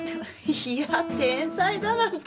いや天才だなんて。